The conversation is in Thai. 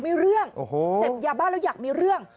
เสพยาบ้าแล้วอยากมีเรื่อง